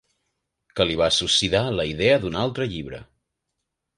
Que li va suscitar la idea d'un altre llibre.